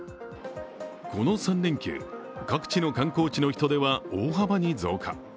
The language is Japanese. この３連休、各地の観光地の人出は大幅に増加。